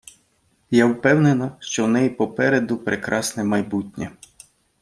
Я впевнена, що в неї попереду прекрасне майбутнє.